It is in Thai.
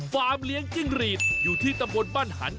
ฟาร์มเลี้ยงจิ้งหลีดอยู่ที่ตระบวนบ้านหัน